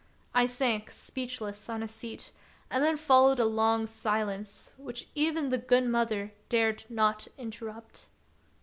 I sank speechless on a seat, and then followed a long silence, which even the good mother dared not interrupt.